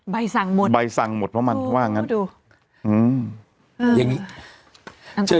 ใบสั่งหมดใบสั่งหมดเพราะมันว่างั้นดูอืมอย่างงี้